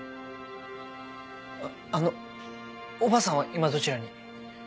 あのおばあさんは今どちらに？